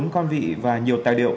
bốn con vị và nhiều tài liệu